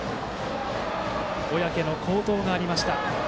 小宅の好投がありました。